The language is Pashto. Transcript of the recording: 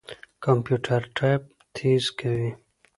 کمپيوټر ټايپ تېز کوي.